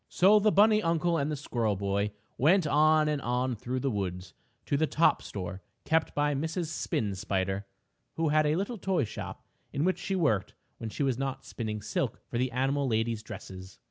So the bunny uncle and the squirrel boy went on and on through the woods to the top store kept by Mrs. Spin Spider, who had a little toy shop in which she worked when she was not spinning silk for the animal ladies' dresses.